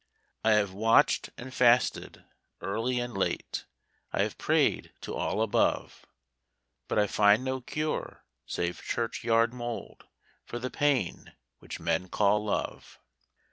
'I have watched and fasted, early and late, I have prayed to all above; But I find no cure save churchyard mould For the pain which men call love.'